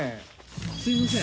すみません。